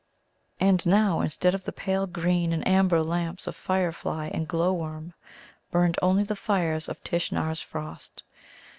And now, instead of the pale green and amber lamps of firefly and glowworm, burned only the fires of Tishnar's frost.